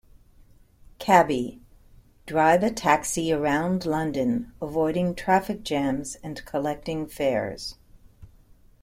"Cabbie" - Drive a taxi around London, avoiding traffic jams and collecting fares.